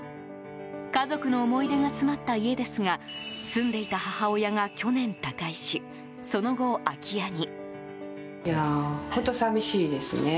家族の思い出が詰まった家ですが住んでいた母親が去年他界しその後、空き家に。